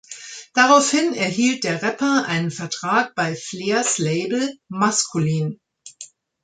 Daraufhin erhielt der Rapper einen Vertrag bei Flers Label "Maskulin".